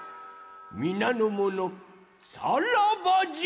みなのものさらばじゃ！